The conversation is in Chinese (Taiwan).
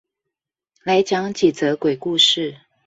來講幾則鬼故事